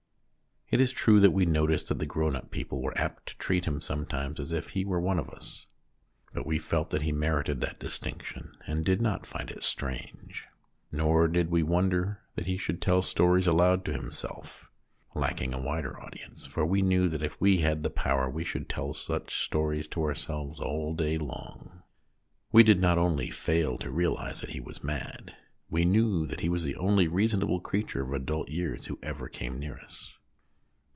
It is true that we noticed that the grown up people were apt to treat him sometimes as if he were one of us, but we felt that he merited this distinction, and did not find it strange. Nor did we wonder that he should tell stories aloud to himself lacking a wider audience, for we knew that if we had the power we should tell such stories to ourselves all day long. We did not only fail to realise that he was mad ; we knew that he was the only reasonable creature of adult years who ever came near us.